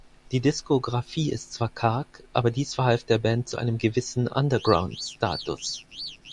Die Diskografie ist zwar karg, aber dies verhalf der Band zu einem gewissen Underground-Status.